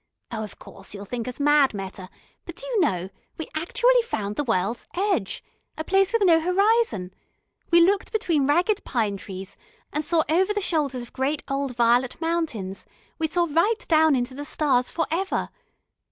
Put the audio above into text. Oh, of course, you'll think us mad, Meta, but, do you know, we actually found the world's edge, a place with no horizon; we looked between ragged pine trees, and saw over the shoulders of great old violet mountains we saw right down into the stars for ever....